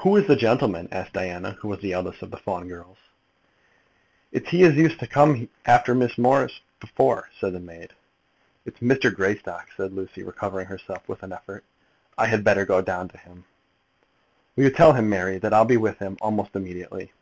"Who is the gentleman?" asked Diana, who was the eldest of the Fawn girls present. "It's he as used to come after Miss Morris before," said the maid. "It is Mr. Greystock," said Lucy, recovering herself with an effort. "I had better go down to him. Will you tell him, Mary, that I'll be with him almost immediately?"